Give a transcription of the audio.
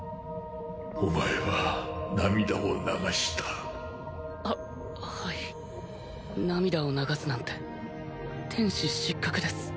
お前は涙を流したははい涙を流すなんて天使失格です